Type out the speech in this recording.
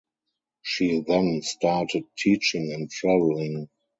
She then started teaching and travelling.